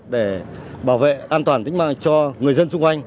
để bảo vệ an toàn tính mạng cho người dân xung quanh